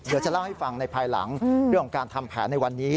เดี๋ยวจะเล่าให้ฟังในภายหลังเรื่องของการทำแผนในวันนี้